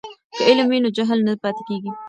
که علم وي نو جهل نه پاتې کیږي.